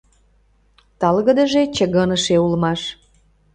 Талгыдыже чыгыныше улмаш.